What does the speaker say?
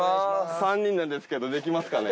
３人なんですけどできますかね？